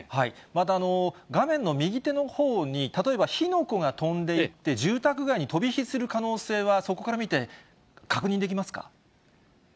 また画面の右手のほうに、例えば火の粉が飛んでいって、住宅街に飛び火する可能性は、そこから見て確認できますか？